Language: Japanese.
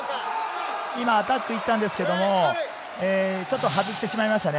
今アタックに行ったんですが、ちょっと外してしまいましたね。